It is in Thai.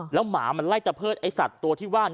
แล้วหมามันไล่ตะเพิดไอ้สัตว์ตัวที่ว่า